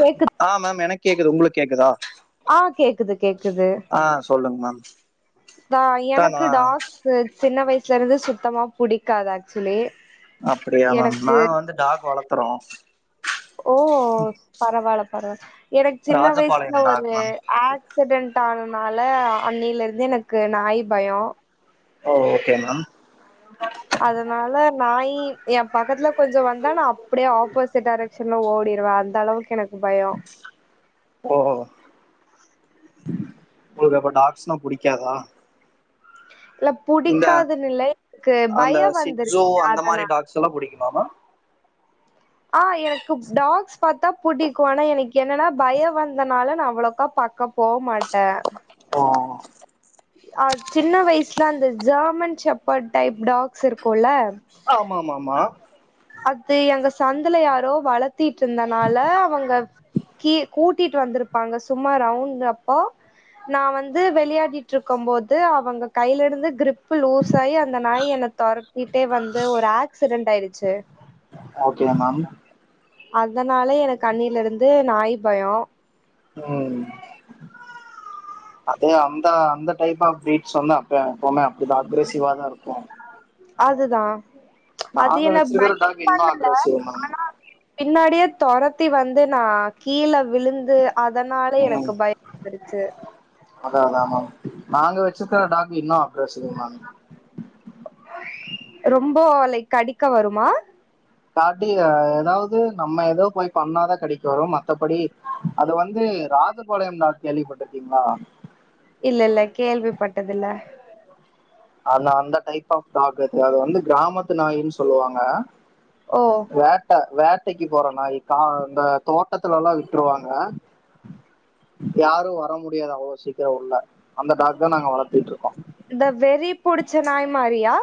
கேக்குது ஆ மேம் எனக்கு கேக்குது. உங்களுக்கு கேக்குதா. ஆ கேக்குது. கேக்குது. ஆ சொல்லுங்க மேம் தா தானா எனக்கு டாக்கு சின்ன வயசுல இருந்து சுத்தமா புடிக்காது ஆக்சுவலி. அப்படியா மேம் எனக்கு நாங்க வந்து டாக் வளத்துறோ. ஓ, பரவால பரவா எனக்கு சின்ன வயசுல ராஜபாளையம் டாக் ஒரு மேம் ஆக்சிடென்ட் ஆன தனால அன்னில இருந்து எனக்கு நாய் பயொ ஓ ஓகே மேம் அதனால நாய் யி என் பக்கத்துல கொஞ்சம் வந்தா நான் அப்படியே ஆப்போசிட் டரக்க்ஷன்ல ஓடிடுவேன். அந்த அளவுக்கு எனக்கு பயோ ஓ ஒங்களுக்கு அப்ப டாக்ஸ்னா புடிக்காதா உ இல்ல இந்த புடிக்காதுன்னு இல்ல. எனக்கு அந்த பயொ வந்துரு சிட்ஸோ அந்த மாரி அதனால. டாக்ஸ் எல்லா புடிக்குமா மேம் ஆ எனக்கு டாக்ஸ் பார்த்தா புடிக்கும். ஆனா எனக்கு என்னன்னா பயம் வந்தனால, நா அவ்வளோக்கா பக்க போ மாட்டேன் ஆ அ சின்ன வயசுல அந்த ஜாமன் சப்பா்ட் டைப் டாக்ஸ் இருக்கும்ல ஆமா ஆமா ஆமா அது எங்க சந்த்ல யாரோ வளத்திட்டு இருந்தனால அவங்க கீ கூட்டிட்டு வந்திருப்பாங்க சும்மா ரவுண்ட அப்போ நா வந்து விளையாடி ட்ருக்கும் போது அவங்க கையிலிருந்து கிரிப்பு லூஸ் ஆகி அந்த நாய் என்ன துர திட்டே வந்து ஒரு ஆக்சிடென்ட் ஆயிடுச்சு ஓகே மேம் அதனால எனக்கு அன்னில இருந்து நாய் பயொ ம் அதே அந்தா அந்த டைப் ஆஃப் வே சொன்னா அப்பே எப்பவுமே அப்படிதான் அக்ரேசிவா தான் இருக்கும் அதுதான் அது என்ன வச்சிருக்கிற பைட் டாக் இன்னு பண்ல அக்ரெசிவ் மேம் ஆனா பின்னாடியே துர த்தி வந்து நான் கீழ விழுந்து அதனால ம் எனக்கு பயொ வந்துருச்சு அதா அதா மேம் நாங்க வச்சிருக்க டாக்கு இன்னோ பேசுங்க மேம் இப்போ லைக் கடிக்க வருமா பார்ட்டி ஏதாவது நம்ம ஏதோ போய் பண்ணாதா கடிக்க வரு மத்தபடி அது வந் து ராஜபாளையம் டாக் கேள்விப்பட்டிருக்கீங்களா இல்ல இல்ல கேள்விப்பட்டதில்ல அந்த அந்த டைப் ஆஃப் டாக் அது வந்து கிராமத்து நாயின்னு சொல்லுவாங்க ஓ வேட்ட வேட்டைக்கு போறே நாய் கா இந்த தோட்டத்துலலா விட்ருவாங்க யாரு வர முடியாத அவ்ளோ சீக்கரோ உள்ள அந்த டாக் தா நாங்க வளத்திட்ருக்கோ இந்த வெறி புடிச்ச நாய் மாரியா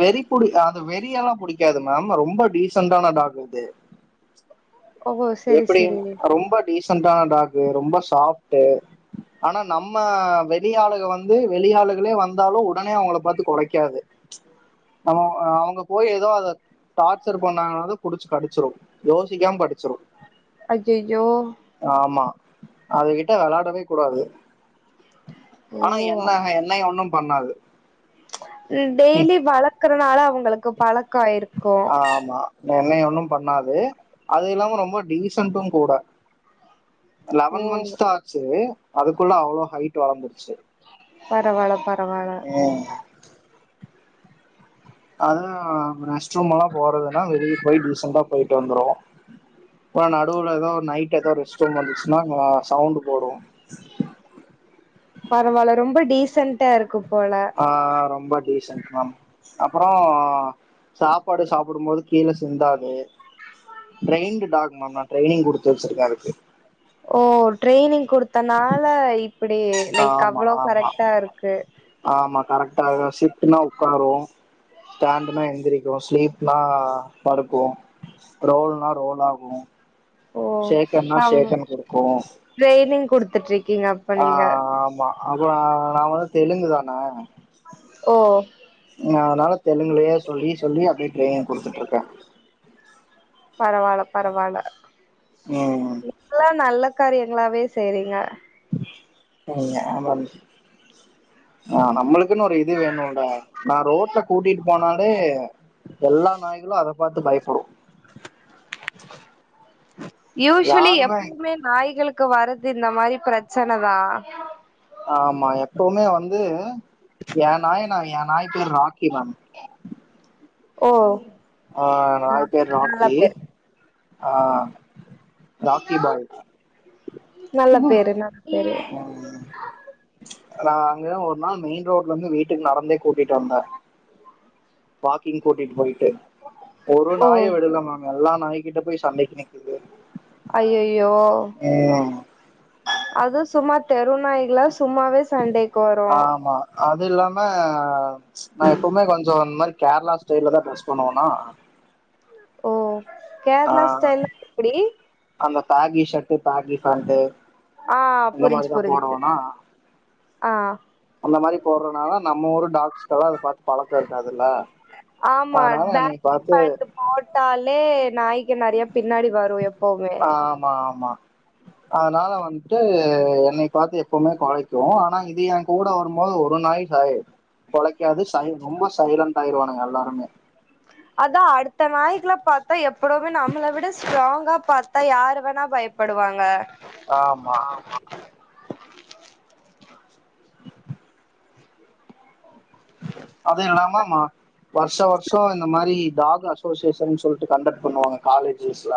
வெறி புடி அது வெறி எல்லா புடிக்காது மேம் ரொம்ப டீசன்டான டாக் இது [unintelligible] ஓ செரி எப்டி செரி ரொம்ப டீசன்டான டாக்கு ரொம்ப சாஃப்டு ஆனா நம்ம வெளி ஆளுக வந்து வெளியளுகளே வந்தாலு உடனே அவங்கள பாத்து குலைக்காது ம் ஆஹ் அவங்க போய் ஏதோ அத டார்ச்சர் பண்ணாங்கன்ன குடிச்சு கடிச்சுரு யோசிக்காம கடிச்சுரு அய்யய்யோ ஆமா அதுகிட்ட வெளாடவே கூடாது ஆனா ஓ என்ன என்னய ஒண்ணு பண்ணாது டெய்லி வளர்க்கறனால அவங்களுக்கு பழக்கோ ஆயிருக்கு என்னய ஒண்ணு பண்ணாது அது இல்லாம ரொம்ப டீசன்டு கூட ஓ லவன் மந்த்ஸ் தா ஆச்சு அதுக்குள்ள அவ்ளோ ஹைட் வளர்ந்துச் பரவால பரவால உம் அதா ரெஸ்ட் ரூம்ல்லா போறதுன்னா வெளிய போய் டீசன்டா போயிட்டு வந்துரு இப்போ நடுவுல எதோ நைட் ஏதோ ரெஸ்ட் ரூம் வந்துச்சுன்னா சவுண்ட் போடு பரவால ரொம்ப டீசன்டா இருக்கு போல ஆஹ் ரொம்ப டீசன்ட் மேம் அப்பரோ சாப்பாடு சாப்டும்போது கீழ சிந்தாது ட்ரைன்டு டாக்கு மேம் நா ட்ரைனிங் குடுத்து வச்சிருக்கே அதுக்கு ஓ ட்ரெய்னிங் குடுத்தனால இப்டி லைக் ஆமா அவ்ளோ ஆமா கரெக்ட்டா இருக்கு ஆமா கரெட்டாத சிட்டுனா உட்காரு ஸ்ண்டுனா எந்திரிக் ஸ்லீப்னா படுக்கு ஸ்க்ரோல்னா ரோலாகு ஓ [unintelligible] ட்ரைனிங் குடுத்துட்டிறிக்கீங்க ஆஹ் ஆஹ் ஆமா அப்றோ நா வந்து தெலுங்கு தானே ஓ நா அதனால தெலுங்கிலேயே சொல்லி சொல்லி அப்டியே ட்ரெய்னிங் குடுத்துட்ருக்கே பரவால பரவால ம் இப்டில்லா நல்ல காரியங்களாவே செய்றீங்க ம் அதாங் ஆஹ் நம்மளுக்குன்னு ஒரு இது வேணுல நா ரோட்ல கூட்டிட்டு போனாலே எல்லா நாய்களு அத பாத்து பயப்புடு யூஸ்சுலி யாருமே எப்பவுமே நாய்களுக்கு வரது இந்த மாரி பிரச் சன தா ஆமா எப்பவுமே வந்து எ நாய் நா எ நாய் பேர் ராக்கி மேம் ஓ ஆஹ் நாய் பேர் நல்ல ராக்கி பேரு ஆஹ் ராக்கிபாய் நல்ல பேரு நல்ல பேரு நா அங்க ஒரு நாள் மெயின் ரோட்ல இருந்து வீட்டுக்கு நடந்தே கூட்டிட்டு வந்தே செரி வாக்கிங் கூட்டிட்டு போயிட்டு ஒரு ஓ நாயை விடல மேம் எல்லா நாய்க்கிட்ட போய் சண்டைக்கு நிக் அய்யயோ ம். அது சும்மா தெருநாய்களா சும்மாவே சண்டைக் வரும் ஆமா அது இல்லாம நா எப்பவுமே கொஞ்சொ அந் மாரி கேரளா ஸ்டைல்ல தான் ட்ரெஸ் பண்ணுவனா ஓ கேரளா ஸ்டைல்னா எப்படி டாகி ஷர்ட்டு பாகி பேண்டு ஆ இந்த புரிஞ்சு மாரிதா புரிஞ்சு போடுவனா ஆ அந்த மாரி போடுறதுனால நம்ம ஊர் டாக்ஸ்லா அத பார்த்து பழக்கொ இருக்காதுல்ல ஆமா அதனால என்னை பேண்ட் பார்த்து ஷர்ட் போட்டாலே நாய்க்கு நெறைய பின்னாடி வரும் எப்பவுமே ஆமா [inaudible] அதனால வந்துட்டு என்னை பாத்து எப்பவுமே குலைக்கும் ஆனா இது என் கூட வரும்போது ஒரு நாய் [unintelligible] கொலைக்காது சை ரொம்ப சைலன்ட் ஆயிருவானங்க எல்லாருமே அதா அடுத்த நாயக்குல பாத்தா எப்படுமே நம்மள விட ஸ்ட்ராங்கா பாத்தா யாரு வேணா பயப்படு வாங்க ஆமா அது இல்லாமா ம வர்ஷொ வர்ஷொ இந்த மாரி டாக் அசோசியேஷன் சொல்லிட்டு கண்டக்ட் பண்ணுவாங்க காலேஜஸ்ல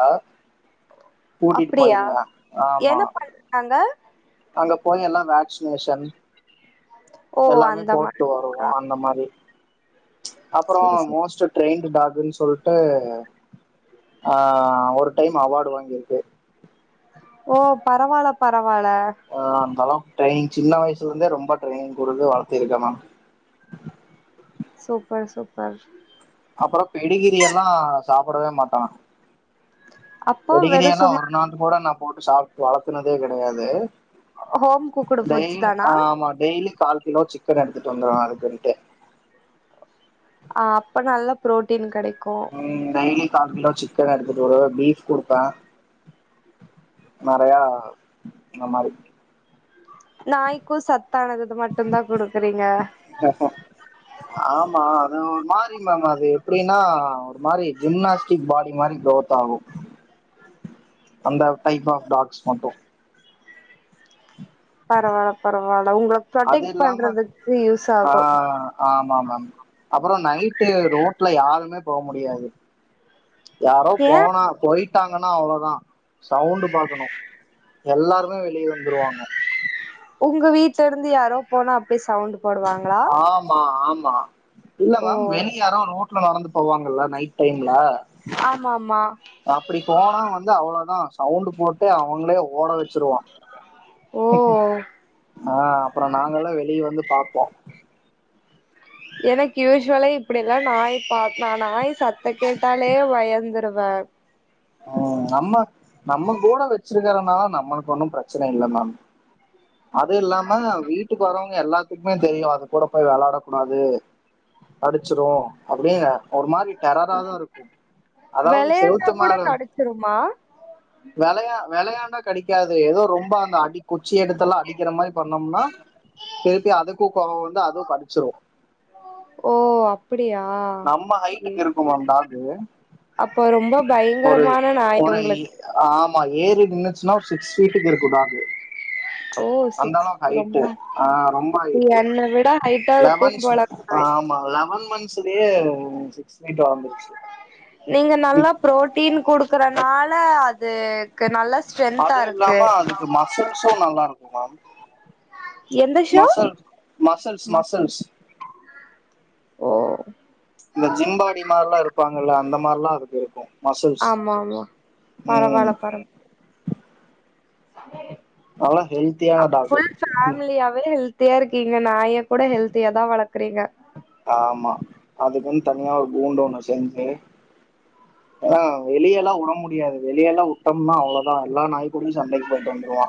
கூட்டிட்டு அப்டியா? போயிருவே ஆமா என்ன பண்றாங்க? அங்க பொன் எல்லாம் வேக்சினேஷன் ஓ எல்லாமே அந்த போட்டு மாரி. வருவோ ஆ அந்த மார் அப்புறொ சரி சரி. மோஸ்ட் ட்ரெயின்ட் டாக்ன்னு சொல் ட்டு ஆ ஒரு டைம் அவாடு வாங்கிருக்கு ஓ பரவால்ல பர ஆம் ஹலோ ட்ரெனிங் சின்ன வயசுல இருந்தே ரொம்ப ட்ரெனிங் குடுத்து வளத்திருக்கேன் மேம் சூப்பர் சூப்பர் அப்புறொ பெடிகிரி எல்லா சாப்புடவே மாட்டான் அப்போ பெடிகிரி வெறு எல்லா சும்மா ஒரு நாள் கூட நான் போட்டு சாப் வளத்துனதே கிடையாது ஹோம் குக்குடு ஃபுட்ஸ் டெய்ல் தானா? ஆமா டெய்லி கால் கிலோ சிக்கன் எடுத்துட்டு வந்துர்வ அதுக்குன்ட்டு ஆ அப்ப நல்லா புரோட்டீன் கெடைக் ம் டெய்லி கால் கிலோ சிக்கன் எடுத்துட்டு வருவேன் பீஃப் கொடுப்பேன் நெறையா இந்த மாரி நாய்க்கும் சத்தானது மட்டு தா குடுக்குறீங்க ஆமா அது ஒரு மா ரி மேம் அது எப்படின்னா ஒரு மாறி ஜிம்னாஸ்டிக் பாடி மாரி க்ரோத் ஆகும் அந்த டைப் ஆஃப் டாக்ஸ் மட்டும் பரவா பரவால் அ அது ப்ரொடெக்ட் இல்லாம பன்ரதுக்கு ஆ ஆமா மேம் அப்புறொ நைட்டு ரோட்ல யாருமே போ முடியாது யாரோ ஏ போனா போயிட்டாங் கனா அவ்ளதா சவுண்ட் பாக்கணும் எல்லாருமே வெளியே வந்துருவாங்க ஒங்க வீட்லருந்து யாரோ போனா அப்டியே சவுண்ட் போடுவாங்களா ஆமா ஆமா இல்ல ஓ மேம் வெளிய யாரோ ரோட் ல நடந்து போவாங்கள்ல நைட் டைம்ல ஆமாமா அப்டி போனா வந்து அவ்வளோதான் சவுண்ட் போட்டு அவங்களே ஓட வச்சிருவான் ஓ ஆ அப்ரோ நாங்கள வெளியே வந்து பாப் போ எனக்கு யூஸ்சுவலா இப்படில்லாம் நாய் பா நா நாய் சத்த கேட்டாலே பயந்துருவே ஆ ம் நம்ம நம்ம கூட வச்சிருக்கறனால நம்மளுக்கு ஒன்னும் ப்ரச்சன இல்ல மேம் அது இல்லாம வீட்டுக்கு வர்றவங்க எல்லாத்து க்மே தெரியு அது கூட போய் வெளாடக் கூடாது கடிச்சிரு அப்டீனு ஒரு மாரி டெரரா தா இருக்கு அதாவது வெளையாண்டா செவுத்து கூட மேல கடிச்சிருமா ளையாண்டா கடிக்காது ஏதோ ரொம்ப அந்த அடி குச்சி எடுத்தெல்லா அடிக்கிற மாறி பண்ணோம்னா திருப்பி அதுக்கு கோவொ வந்து அதுவு கடிச்சிரு ஓ அப் நம்ம ஹைட்டுக்கு இருக்கும் மேம் டாகு அப்போ ரொம்ப பயங்ரமான நாயி உங்குளுக் மா ஏறி நின்னுச்சுனா சிக்ஸ் ஃபீட்டுக்கு இருக்கு டாகு ஓ சிக்ஸ் அந்தளவுக்கு ரொம்ப ஹைட்டு ஆ ரொம்ப ஹைட்டு என்ன விட ஹைட்டா இருக்கும் லென்ஸ் போல அந்த நாய் அ ஆமா லெவன் மந்த்ஸுலயே சிக்ஸ் ஃபீட் வளர்ந்துருச்சு நீங்க நல்லா ப்ரோட்டீன் குடுக்குற னால அதுக்கு நல்ல அது இல்லாம அதுக்கு மசுல்ஸு நல்லா இருக்கும் மேம் எந்த ஷோ மசில் மசில்ஸ் மசில்ஸ் ஓ இந்த ஜிம்பாடி மார்ல்லா இருப்பாங்கல்ல அந்த மார்லா அதுக்கு இருக்கு மசுல்ஸ் ஆமா ஆமா ம் நல்லா ஹெல்த்தியான அ டாக் ஃபுல் பேம்லியாவே எல் த்தியா இருக்கீங்க நாயக் கூட ஹெல்த்தியா தா வளக்குறீங்க ஆமா அதுக்குன் தனியா ஒரு கூண்டு ஒண்ணு செஞ்சி ஏனா வெளியெல்லா உட முடியாது வெளியெல்லா உட்டொம்னா அவ்ளொதா எல்லா நாய்க்கூடியு சண்டைக் போய்ட்டு வந்த்ருவா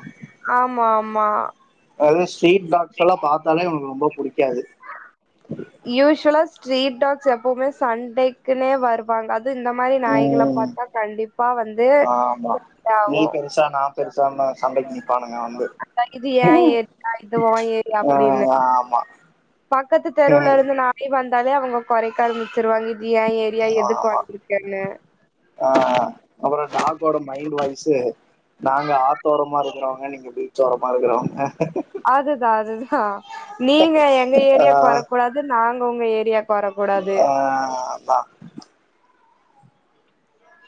ஆமா ஆமா அது ஸ்ட்ரீட் டாக்ஸ்ஸல்லா பாத்தாலே அவனுக்கு ரொம்ப புடிக்காது யூஸ்வலா ஸ்ட்ரீட் டாக்ஸ் எப்பவ்மே சண்டைக்குன்னே வருவாங்க அ து இந்த மாரி நாய்கள ம் பாத்தா கண்டிப்பா வந்து ஆமா நீ டாவு பெருசா நா பெருசான்னு சண்டைக்கு நிப்பானுங்க வந்து அதா இது ஏ ஏரியா இது ஓ ஏரியா ஆ அப்டினு ஆமா பக்கத்து தெருலருந்து நாய் வந்தாலே அவுங்க கொரைக்க ஆரம்பிச்சிருவாங்க இது ஏ ஏரியா எதுக்கு ஆமா வந்துருக்கன்னு ஆ அப்பறொ டாக்கோட மைண்ட் வாய்சு நாங்க ஆத்தோரமா இருக்குறவங்க நீங்க பீச்சோரமா இருக்குறவங்க அதுதா அதுதா நீங்க எங்க ஆ ஏரியாக்கு வரக்கூடாது நாங்க உங்க ஏ ஆ அதா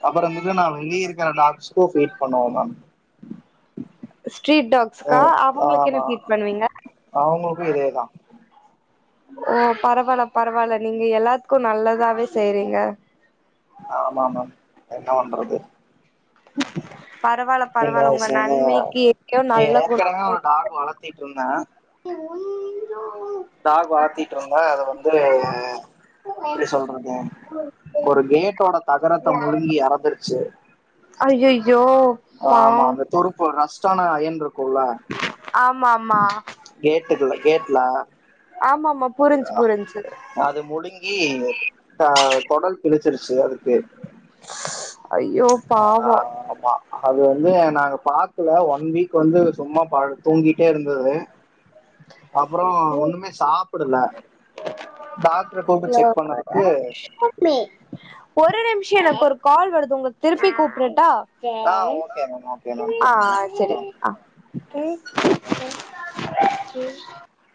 அப்பறொ வந்துட்டு நா வெளிய இருக்குற டாக்ஸுக்கு ஃபீட் பண்ணுவம் மேம் ஸ்ட்ரீட் டாக்ஸ்கா ம் அவங்களுக்கு என்ன ஆமா ஃபீட் பண்ணுவீங்க அவங்களுக்கு இதேதா ஓ பரவால்ல பரவால்ல நீங்க எல்லாத்துக்கு நல்லதாவே செய்றீங்க ஆமா மேம் என்ன பண்றது பரவால சின்ன வைஸ்லேந்து ஏற்கனவே ஒரு டாக் வளத்தியிட்ருந்த எ [unintelligible] டாக் வளத்தியிட்ருந்த அத வந்து எப்டி சொல்றது ஒரு கேட்டோட தகரத்த முழுங்கி எறந்துருச்சு ஐயையோ பாவோ ஆமா அந்த துருப்பு ரஸ்டான அயன் இருக்குல்ல ஆமா ஆமா கேட்டுக்குல கேட்ல ஆமா ஆமா புரிஞ்சு புரிஞ்சு அத முழுங்கி ஆ கொடல் கிளி செத்துருச்சு அதுக்குகே அய்யோ பாவோ ஆமா அது வந்து நாங்க பாக்கல ஒன் வீக் வந்து சும்மா ப தூங்கிட்டே இருந்தது அப்ரோ ஒன்னுமே சாப்பிடல டாக்டரை கூப்பிட்டு செக் பண்ணதுக்கு ஒரு நிமிஷம் எனக்கு ஒரு கால் வருது உங்க திருப்பி கூப்டட்டா ஆ ஓகே மேம் ஓகே மேம் ஆ கூப்பிடுங்க செரி ஆ [unintelligible]